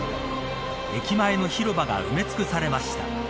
駅前の広場が埋め尽くされました。